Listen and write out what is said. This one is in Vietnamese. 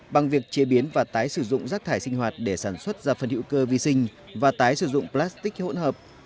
bằng việc chế biến và tái sử dụng rác thải sinh hoạt để sản xuất ra phân hiệu cơ vi sinh và tái sử dụng plastic hỗn hợp